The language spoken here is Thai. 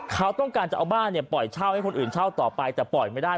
เขาต้องการจะเอาบ้านเนี่ยปล่อยเช่าให้คนอื่นเช่าต่อไปแต่ปล่อยไม่ได้